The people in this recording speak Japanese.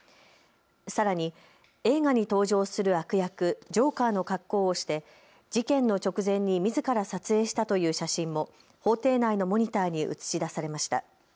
さらに映画に登場する悪役、ジョーカーの格好をして事件の直前にみずから撮影したという写真も法廷内のモニターに映し出されました。